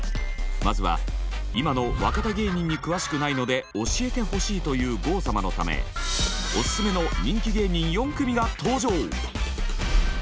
まずは今の若手芸人に詳しくないので教えてほしいという郷様のためオススメの人気芸人４組が登場。